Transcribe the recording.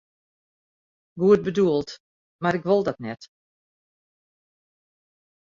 Goed bedoeld, mar ik wol dat net.